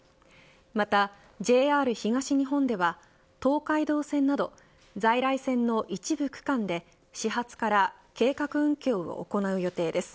またＪＲ東日本では東海道線など在来線の一部区間で始発から計画運休を行う予定です。